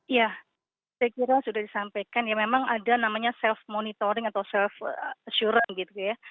ya saya kira sudah disampaikan ya memang ada namanya self monitoring atau self assurance gitu ya